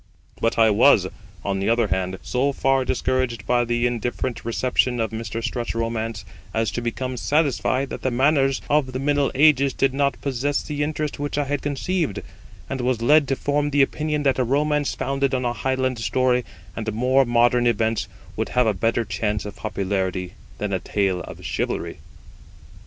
But I was, on the other hand, so far discouraged by the indifferent reception of Mr. Strutt's romance as to become satisfied that the manners of the middle ages did not possess the interest which I had conceived; and was led to form the opinion that a romance founded on a Highland story and more modern events would have a better chance of popularity than a tale of chivalry.